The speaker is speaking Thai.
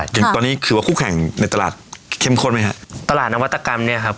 ถึงตอนนี้ถือว่าคู่แข่งในตลาดเข้มข้นไหมฮะตลาดนวัตกรรมเนี่ยครับ